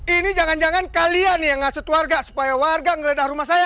ini jangan jangan kalian yang ngasut warga supaya warga ngeledah rumah saya